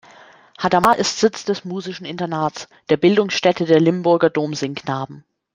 Hadamar ist Sitz des Musischen Internats, der Bildungsstätte der Limburger Domsingknaben.